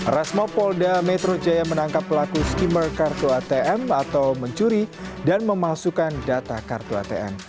resmo polda metro jaya menangkap pelaku skimmer kartu atm atau mencuri dan memalsukan data kartu atm